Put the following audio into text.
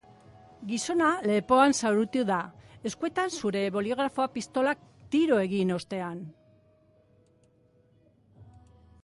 Gizona lepoan zauritu da eskuetan zuen boligrafo-pistolak tiro egin ostean.